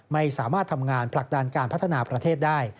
ไม่สามารถทำงานผลักดันการพัฒนาประเทศได้